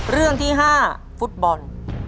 เรื่องที่๕ฟุตบอล